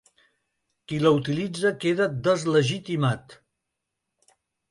Qui la utilitza queda deslegitimat.